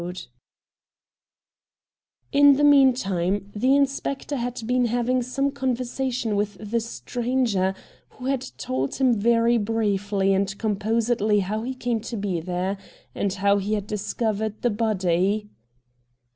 D DIAMONDS In the meantime the inspector had been having some conversation with the stranger, who had told him very briefly and composedly how he came to be there, and how he had discovered the body.